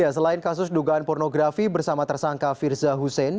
selain kasus dugaan pornografi bersama tersangka firza hussein